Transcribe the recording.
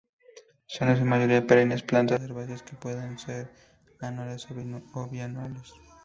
Son en su mayoría perennes, plantas herbáceas que pueden ser anuales o bienales.